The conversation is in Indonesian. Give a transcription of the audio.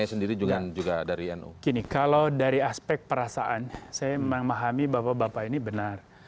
saya memahami bahwa bapak ini benar